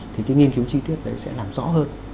thì cái nghiên cứu chi tiết đấy sẽ làm rõ hơn